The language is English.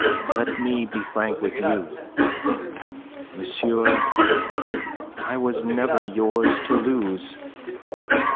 Let me be frank with you. Monsieur, I was never yours to lose.